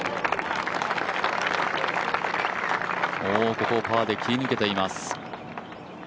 ここをパーで切り抜けています。